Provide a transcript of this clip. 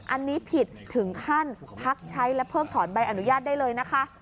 อันนี้ผิดถึงขั้นพักใช้และเพิกถอนใบอนุญาตได้เลยนะคะ